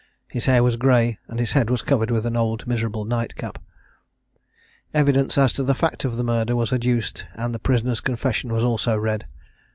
His hair was grey, and his head was covered with an old miserable nightcap. Evidence as to the fact of the murder was adduced, and the prisoner's confession was also read.